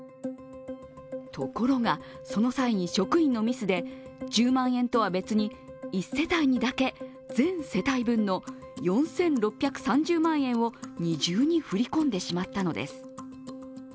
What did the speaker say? ところがその際に職員のミスで１０万円とは別に１世帯にだけ全世帯分の４６３０万円を二重に振り込んでしまったのです。